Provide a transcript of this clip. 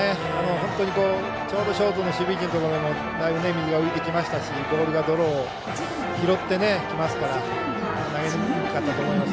本当にちょうどショートの守備位置でだいぶ水が浮いてきましたしボールが泥を拾ってきますから投げにくかったと思います。